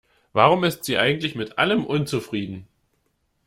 Warum ist sie eigentlich mit allem unzufrieden?